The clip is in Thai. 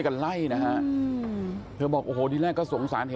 มันวิ่งตามจริงบอกจะตามมาแล้ว